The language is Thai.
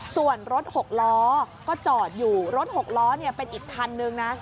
ส่วนรถหกล้อก็จอดอยู่รถหกล้อเป็นอีกคันนึงนะ